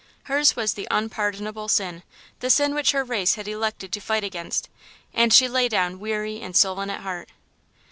Hers was the unpardonable sin, the sin which her race had elected to fight against, and she lay down weary and sullen at heart.